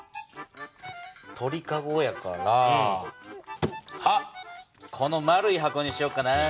鳥かごやからあっこの丸い箱にしよっかな。